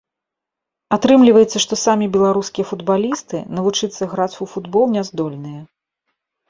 Атрымліваецца, што самі беларускія футбалісты навучыцца граць у футбол не здольныя.